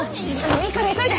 いいから急いで。